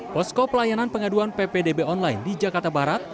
posko pelayanan pengaduan ppdb online di jakarta barat